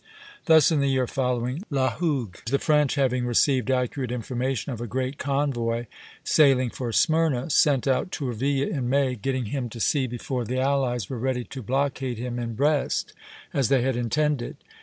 Thus in the year following La Hougue, the French, having received accurate information of a great convoy sailing for Smyrna, sent out Tourville in May, getting him to sea before the allies were ready to blockade him in Brest, as they had intended.